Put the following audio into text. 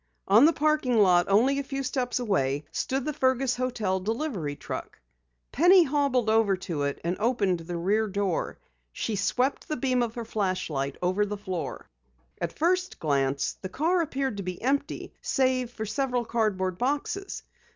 On the parking lot only a few steps away stood the Fergus hotel delivery truck. Penny hobbled over to it, and opened the rear door. She swept the beam of her flashlight over the floor. At first glance the car appeared to be empty save for several cardboard boxes.